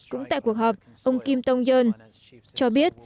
cũng tại cuộc họp ông kim tong yeol cho biết